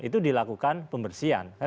itu dilakukan pembersihan